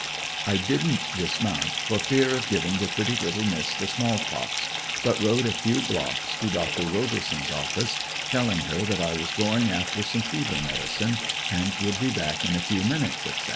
I didn't dismount, for fear of giving the pretty little miss the small pox, but rode a few blocks to Doctor Roberson's office, telling her that I was going after some fever medicine and would be back in a few minutes, etc.